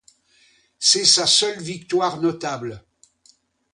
C'est sa seule victoire notable.